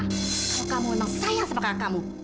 kalau kamu emang sayang semakalah kamu